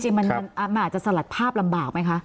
จริงมันอาจจะสลัดภาพลำบากไหมคะ